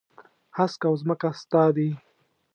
هسک او ځمکه ستا دي.